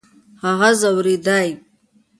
هغه ځورېدی .